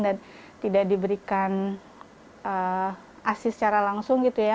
dan tidak diberikan asi secara langsung gitu ya